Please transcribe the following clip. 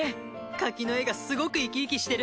柿の絵がすごく生き生きしてる。